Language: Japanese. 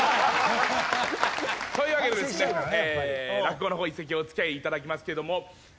というわけでですね落語の方一席お付き合い頂きますけども。